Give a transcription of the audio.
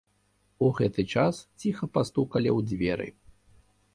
У гэты час ціха пастукалі ў дзверы.